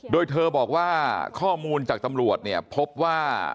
โดยเธอบอกว่าข้อมูลจากตำรวจเนี่ยพบว่า